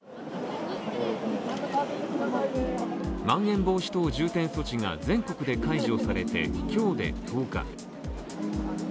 まん延防止等重点措置が全国で解除されて、今日で１０日。